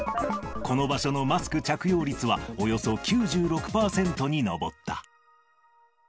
この場所のマスク着用率は、およそ９６％に上った。